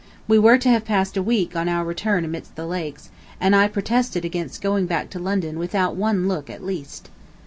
We were to have passed a week on our return amidst the lakes, and I protested against going back to London without one look at least.